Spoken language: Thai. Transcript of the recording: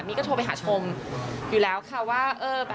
มีก็โทรไปหาชมอยู่แล้วค่ะว่า